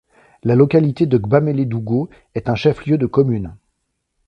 La localité de Gbamélédougo est un chef-lieu de commune.